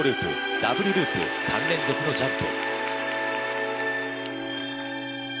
ダブルループ３連続のジャンプ。